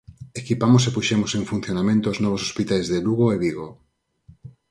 Equipamos e puxemos en funcionamento os novos hospitais de Lugo e Vigo.